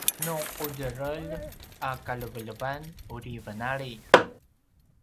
nu ’udjerelj a kalevelevan uri venali